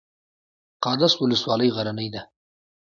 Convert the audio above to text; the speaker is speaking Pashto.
قادس ولسوالۍ غرنۍ ده؟